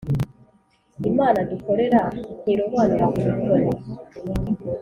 imana dukorera ntirobanura ku butoni.